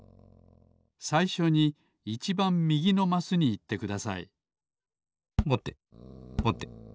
さいしょにいちばんみぎのマスにいってくださいぼてぼて。